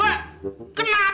heeh itu kan selama lo dua